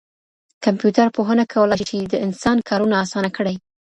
کمپيوټر پوهنه کولای شي چي د انسان کارونه اسانه کړي.